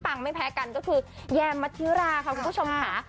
ไม่แพ้กันก็คือแยมมัธิราค่ะคุณผู้ชมค่ะ